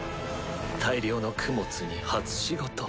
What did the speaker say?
大量の供物に初仕事。